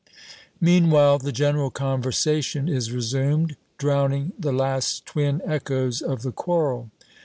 Meanwhile the general conversation is resumed, drowning the last twin echoes of the quarrel.